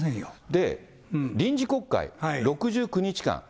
で、臨時国会、６９日間。